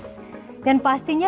dan pastinya dengan melihatnya